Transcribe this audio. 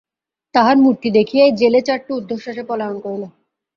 তাঁহার মূর্তি দেখিয়াই জেলে চারটে ঊর্ধ্বশ্বাসে পলায়ন করিল।